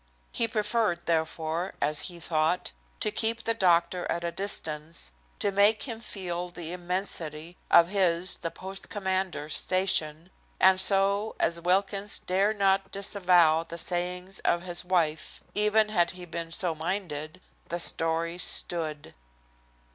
He preferred, therefore, as he thought, to keep the doctor at a distance, to make him feel the immensity of his, the post commander's, station, and so, as Wilkins dare not disavow the sayings of his wife, even had he been so minded, the stories stood.